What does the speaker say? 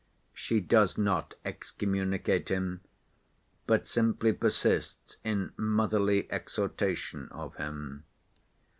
She does not excommunicate him but simply persists in motherly exhortation of him.